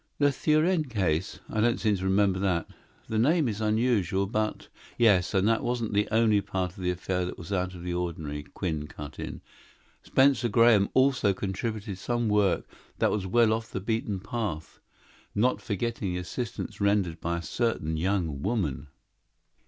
"The Thurene case? I don't seem to remember that. The name is unusual, but " "Yes, and that wasn't the only part of the affair that was out of the ordinary," Quinn cut in. "Spencer Graham also contributed some work that was well off the beaten path not forgetting the assistance rendered by a certain young woman."